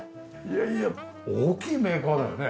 いやいや大きいメーカーだよね。